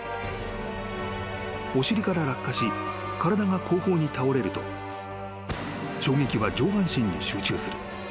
［お尻から落下し体が後方に倒れると衝撃は上半身に集中する］